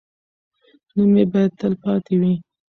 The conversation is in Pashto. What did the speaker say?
نوم یې باید تل پاتې وي.